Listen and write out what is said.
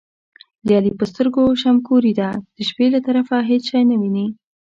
د علي په سترګو شمګوري ده، د شپې له طرفه هېڅ شی نه ویني.